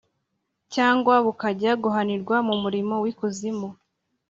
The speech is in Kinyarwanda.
cyangwa bukajya guhanirwa mu muriro w’ikuzimu.